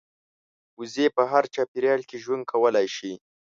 وزې په هر چاپېریال کې ژوند کولی شي